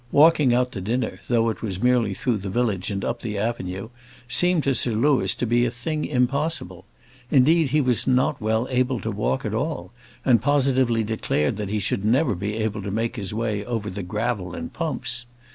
Walking out to dinner, though it was merely through the village and up the avenue, seemed to Sir Louis to be a thing impossible. Indeed, he was not well able to walk at all, and positively declared that he should never be able to make his way over the gravel in pumps.